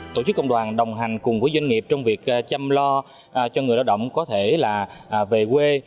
tổ chức công đoàn đồng hành cùng với doanh nghiệp trong việc chăm lo cho người lao động có thể là về quê